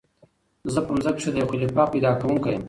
"زه په ځمكه كښي د يو خليفه پيدا كوونكى يم!"